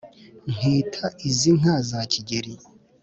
Nkita izi nka za Kigeli,